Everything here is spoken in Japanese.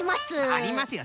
ありますよ